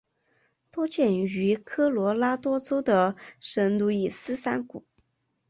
多见于科罗拉多州的圣路易斯山谷。